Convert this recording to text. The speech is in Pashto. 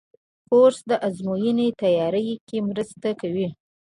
کورس د ازموینو تیاري کې مرسته کوي.